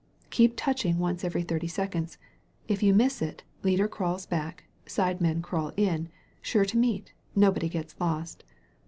Keep touching once every thirty seconds. If you miss it, leader crawls back, side men crawl in, sure to meet, nobody gets lost.